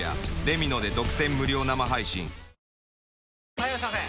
・はいいらっしゃいませ！